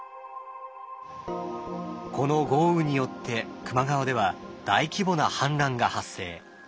この豪雨によって球磨川では大規模な氾濫が発生。